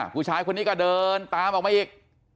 ผู้ชายคนนี้ก็เดินตามออกมาอีก